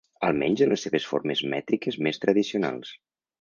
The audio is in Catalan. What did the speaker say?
Almenys en les seves formes mètriques més tradicionals.